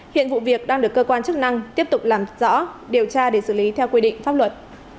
hiện vụ việc đang được cơ quan chức năng tiếp tục làm rõ điều tra để xử lý theo quy định pháp luật